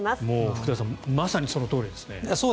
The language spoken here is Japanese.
福田さんまさにそのとおりですね。